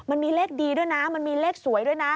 มันมีเลขดีด้วยนะมันมีเลขสวยด้วยนะ